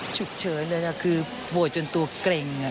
ฉุกเฉินเลยนะคือบวชจนตัวเกร็ง